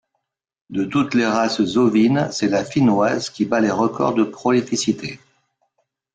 De toutes les races ovines, c'est la finnoise qui bat les records de prolificité.